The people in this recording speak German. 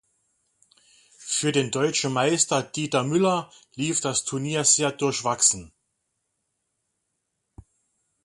Für den deutschen Meister Dieter Müller lief das Turnier sehr durchwachsen.